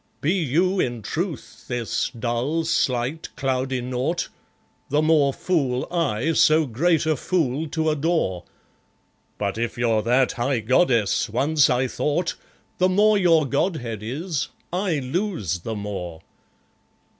Be you, in truth, this dull, slight, cloudy naught, The more fool I, so great a fool to adore; But if you're that high goddess once I thought, The more your godhead is, I lose the more.